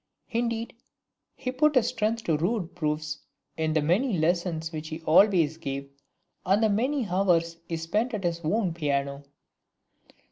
Indeed, he put his strength to rude proofs in the many lessons which he always gave, and the many hours he spent at his own Piano.